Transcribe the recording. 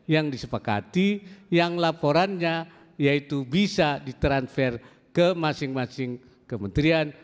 yang disepakati yang laporannya yaitu bisa ditransfer ke masing masing kementerian